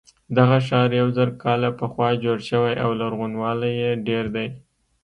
دغه ښار یو زر کاله پخوا جوړ شوی او لرغونوالی یې ډېر دی.